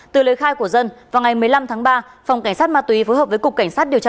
từ lời khai của dân vào ngày một mươi năm tháng ba phòng cảnh sát ma túy phối hợp với cục cảnh sát điều tra